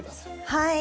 はい。